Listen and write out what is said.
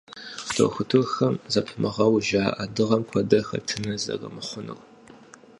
Дохутырхэм зэпымыууэ жаӀэ дыгъэм куэдрэ дыхэт зэрымыхъунур.